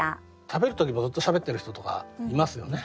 食べる時もずっとしゃべってる人とかいますよね。